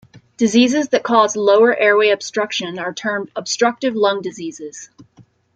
Diseases that cause lower airway obstruction are termed obstructive lung diseases.